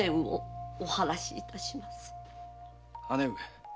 姉上。